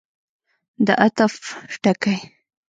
د عطف ټکی.